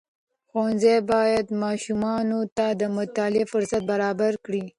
ښوونځي باید ماشومانو ته د مطالعې فرصت برابر کړي.